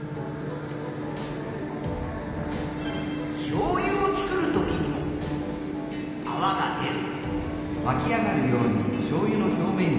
しょうゆを作るときにもあわが出る。